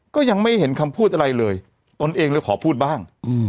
ก็ยังไม่เห็นคำพูดอะไรเลยตนเองเลยขอพูดบ้าง